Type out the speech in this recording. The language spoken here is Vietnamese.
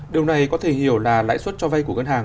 điều này có thể hiểu là lãi suất cho vay của ngân hàng